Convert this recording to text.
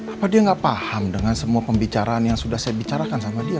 apa dia nggak paham dengan semua pembicaraan yang sudah saya bicarakan sama dia